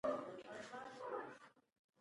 د ځنګل رڼا هم د دوی په زړونو کې ځلېده.